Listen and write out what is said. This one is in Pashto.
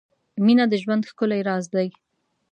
• مینه د ژوند ښکلی راز دی.